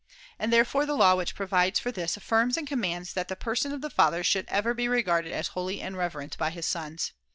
And therefore the law which provides for this affirms and commands that the person of the father should ever [^1603 be regarded as holy and reverent by his sons.